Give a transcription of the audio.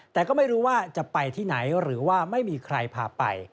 แต่ก็ไม่รู้ว่าจะไปที่ไหนหรือว่าไม่มีใครพาไป